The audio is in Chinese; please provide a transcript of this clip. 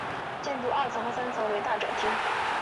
建筑二层和三层为大展厅。